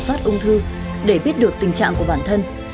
soát ung thư để biết được tình trạng của bản thân